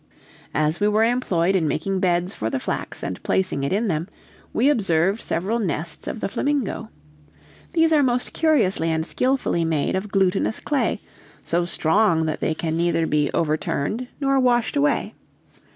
As we were employed in making beds for the flax and placing it in them, we observed several nests of the flamingo. These are most curiously and skillfully made of glutinous clay, so strong that they can neither be overturned nor washed away.